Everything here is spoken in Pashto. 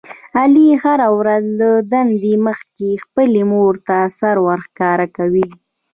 علي هره ورځ له دندې مخکې خپلې مورته سر ورښکاره کوي.